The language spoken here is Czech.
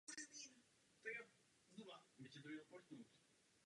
Doufám, že o svých zkušenostech a dojmech napíšete.